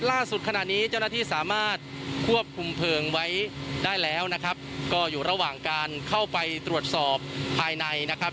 ล่าสุดขณะนี้เจ้าหน้าที่สามารถควบคุมเพลิงไว้ได้แล้วนะครับก็อยู่ระหว่างการเข้าไปตรวจสอบภายในนะครับ